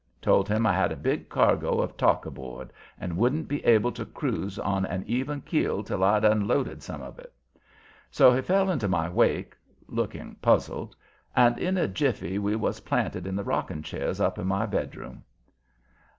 Told him I had a big cargo of talk aboard, and wouldn't be able to cruise on an even keel till I'd unloaded some of it. So he fell into my wake, looking puzzled, and in a jiffy we was planted in the rocking chairs up in my bedroom.